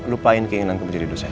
lupain keinginanku bidil hidup saya